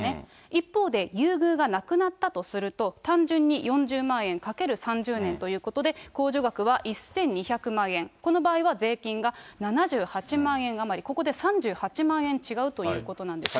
一方で、優遇がなくなったとすると、単純に４０万円×３０年ということで、控除額は１２００万円、この場合は税金が７８万円余り、ここで３８万円違うということなんですね。